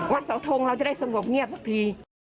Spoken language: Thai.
วัดเสาทงเราจะได้สะดวกเงียบสักที